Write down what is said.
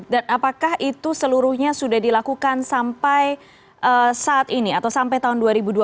apakah itu seluruhnya sudah dilakukan sampai saat ini atau sampai tahun dua ribu dua puluh